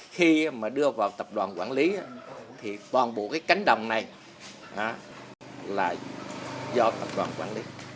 khi mà đưa vào tập đoàn quản lý thì toàn bộ cái cánh đồng này là do tập đoàn quản lý